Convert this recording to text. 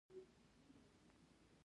تاریخ د خپل ولس د سربلندۍ ښيي.